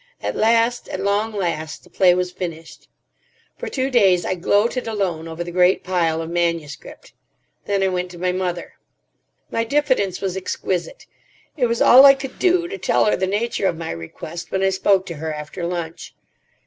At last, at long last, the play was finished. For two days I gloated alone over the great pile of manuscript. Then I went to my mother. My diffidence was exquisite. It was all I could do to tell her the nature of my request, when I spoke to her after lunch.